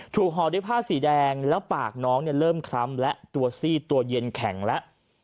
ห่อด้วยผ้าสีแดงแล้วปากน้องเริ่มคล้ำและตัวซีดตัวเย็นแข็งแล้ว